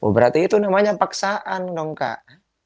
berarti itu namanya paksaan dong kak